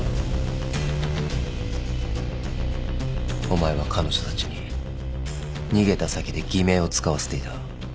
お前は彼女たちに逃げた先で偽名を使わせていた。